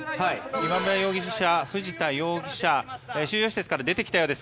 今村容疑者、藤田容疑者収容施設から出てきたようです。